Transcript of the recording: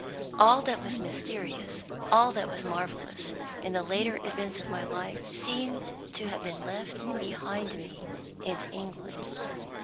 All that was mysterious, all that was marvelous, in the later events of my life seemed to have been left behind me in England.